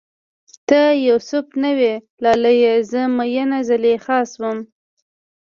ته یو سف نه وی لالیه، زه میینه زلیخا شوم